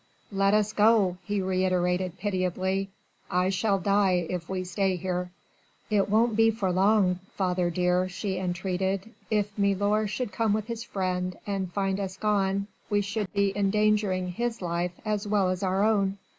"Let us go!" he reiterated pitiably. "I shall die if we stay here!" "It won't be for long, father dear," she entreated; "if milor should come with his friend, and find us gone, we should be endangering his life as well as our own."